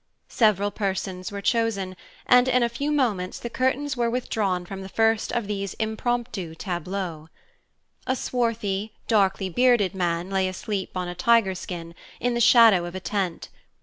Several persons were chosen, and in a few moments the curtains were withdrawn from the first of these impromptu tableaux. A swarthy, darkly bearded man lay asleep on a tiger skin, in the shadow of a tent.